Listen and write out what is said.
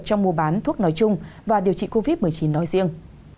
trong mua bán thuốc nói chung và điều trị covid một mươi chín nói riêng